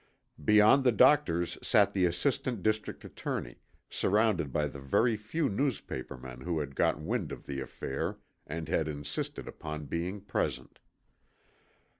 Beyond the doctors sat the assistant district attorney, surrounded by the very few newspapermen who had got wind of the affair and had insisted upon being present.